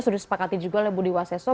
sudah disepakati juga oleh budi waseso